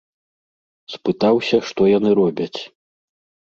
Спытаўся, што яны робяць.